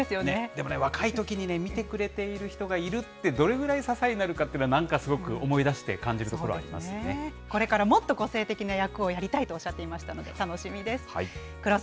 でもね、若いときにね、見てくれている人がいるって、どれぐらい支えになるかっていうのは、なんかすごく思い出して、感じるこれからもっと個性的な役をやりたいとおっしゃっていましたので、楽しみです。